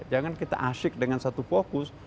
jangan kita asyik dengan satu fokus